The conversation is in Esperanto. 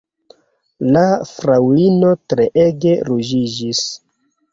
La fraŭlino treege ruĝiĝis.